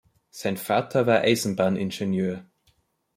Sein Vater war Eisenbahningenieur.